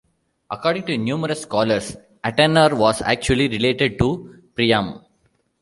According to numerous scholars, Antenor was actually related to Priam.